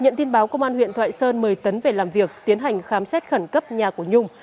nhận tin báo công an huyện thoại sơn mời tấn về làm việc tiến hành khám xét khẩn cấp nhà của nhung